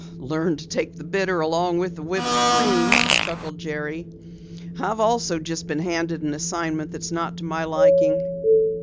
"Learn to take the bitter along with the whipped cream," chuckled Jerry. "I've also just been handed an assignment that's not to my liking."